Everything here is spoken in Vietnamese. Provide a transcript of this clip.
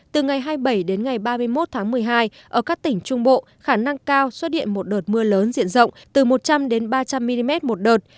từ ngày hai mươi bảy đến ngày ba mươi một tháng một mươi hai ở các tỉnh trung bộ khả năng cao xuất hiện một đợt mưa lớn diện rộng từ một trăm linh đến ba trăm linh mm một đợt